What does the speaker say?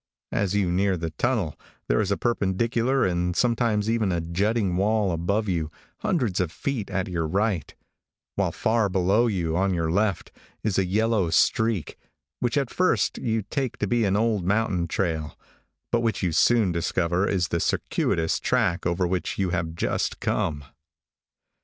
As you near the tunnel, there is a perpendicular and sometimes even a jutting wall above you, hundreds of feet at your right, while far below you, on your left, is a yellow streak, which at first you take to be an old mountain trail, but which you soon discover is the circuitous track over which you have just come.